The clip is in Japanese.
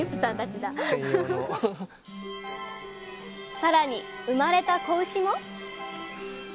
更に生まれた子牛も？